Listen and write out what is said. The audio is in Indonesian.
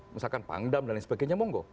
misalkan pangdam dan lain sebagainya monggo